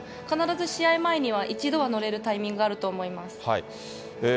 必ず試合前には、一度は乗れるタイミングはあると思います。